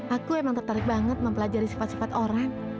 aku emang tertarik banget mempelajari sifat sifat orang